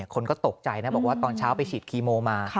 คนก็ตกใจนะบอกว่าตอนเช้าไปฉีดคีโมมา